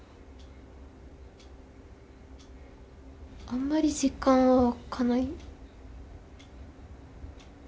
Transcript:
あんまり実感は湧かない。